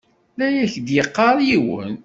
La ak-d-yeɣɣar yiwen.